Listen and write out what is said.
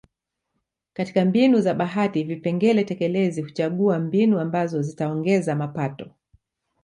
Katika mbinu za bahati vipengele tekelezi huchagua mbinu ambazo zitaongeza mapato